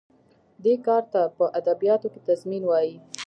دې کار ته په ادبیاتو کې تضمین وايي.